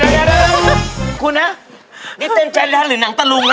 นี่เกินเยอะนะนี่เป็นแจนหรือนังตะลุงนะ